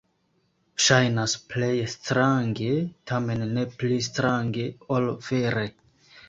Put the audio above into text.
Ŝajnas plej strange, tamen ne pli strange ol vere.